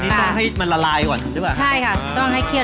นี่ต้องให้มันละลายก่อนใช่ปะ